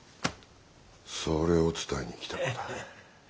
それを伝えに来たのだ。